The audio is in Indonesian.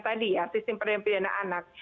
tadi ya sistem peradilan pidana anak